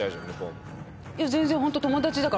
いや全然。